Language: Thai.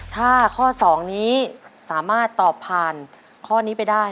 ถ้าข้อ๒นี้สามารถตอบผ่านข้อนี้ไปได้